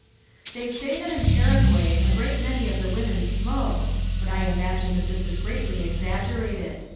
They say that in Paraguay a great many of the women smoke, but I imagine that this is greatly exaggerated.